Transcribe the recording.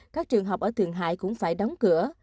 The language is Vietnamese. các trường học ở thượng hải cũng phải đóng cửa